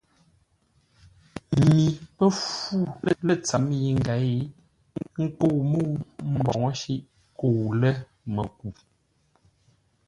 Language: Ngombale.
Mi pə́ fú lə̂ ntsə̌m yi ngěi ə́ nkə́u mə́u mboŋə́ shíʼ kə́u ləməku.